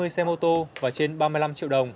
hai mươi xe mô tô và trên ba mươi năm triệu đồng